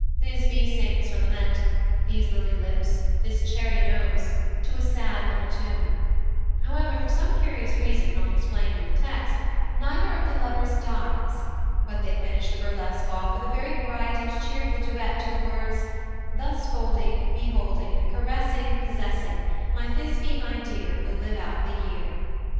Thisbe sings her lament, "These lily lips, this cherry nose," to a sad little tune; however, for some curious reason not explained in the text, neither of the lovers dies, but they finish the burlesque off with a very bright and cheerful duet to the words, "Thus folding, beholding, caressing, possessing, My Thisbe, my dear, We'll live out the year."